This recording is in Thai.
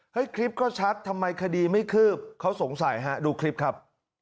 คลิปก็ชัดทำไมคดีไม่คืบเขาสงสัยฮะดูคลิปครับ